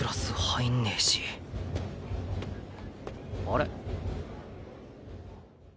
あれ？